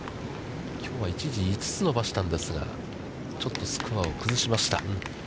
きょうは一時５つ伸ばしたんですが、ちょっとスコアを崩しました。